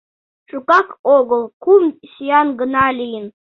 Шукак огыл, кум сӱан гына лийын...